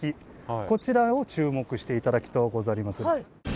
こちらを注目して頂きとうござりまする。